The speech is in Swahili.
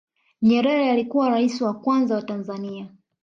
nyerere alikuwa raisi wa kwanza wa tanzania